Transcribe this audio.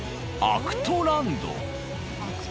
アクトランド。